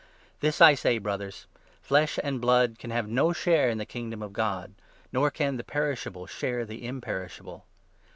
This 50 I say, Brothers — Flesh and blood can have no share in the Kingdom of God, nor can the perishable share the imperish able.